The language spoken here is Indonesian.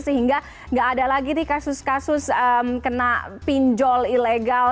sehingga tidak ada lagi kasus kasus kena pinjol ilegal